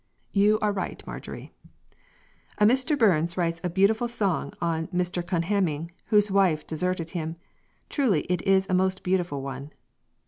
You are right, Marjorie. "A Mr. Burns writes a beautiful song on Mr. Cunhaming, whose wife desarted him truly it is a most beautiful one."